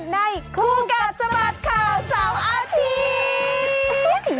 ในคู่กับสมัติข่าวเศร้าอาทีนด์